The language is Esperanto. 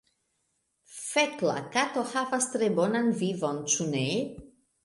Fek' la kato havas tre bonan vivon, ĉu ne?